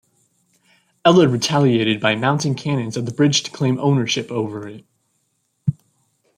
Ellet retaliated by mounting cannons at the bridge to claim ownership over it.